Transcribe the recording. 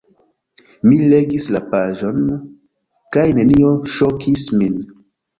Mi legis la paĝon kaj nenio ŝokis min.